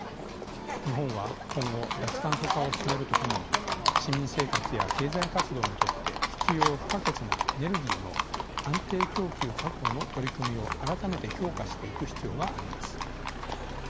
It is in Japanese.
日本は今後脱炭素化を進めるとともに市民生活や経済活動にとって必要不可欠なエネルギーの安定供給確保の取り組みを改めて強化していく必要があります。